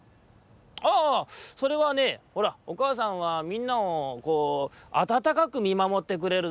「ああああ。それはねほらおかあさんはみんなをこうあたたかくみまもってくれるだろう？